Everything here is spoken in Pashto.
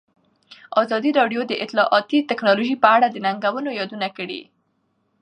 ازادي راډیو د اطلاعاتی تکنالوژي په اړه د ننګونو یادونه کړې.